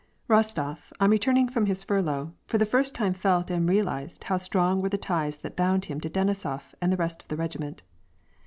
R08TOP, on returning from his furlough, for the first time felt and realized how strong were the ties that bound him to Denisof and the rest of the regiment.